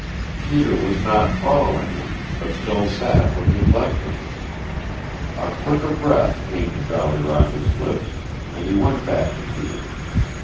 Peter was not following him, but still sat where he had left him. A quicker breath came to Jolly Roger's lips, and he went back to Peter.